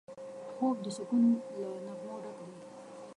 خوب د سکون له نغمو ډک دی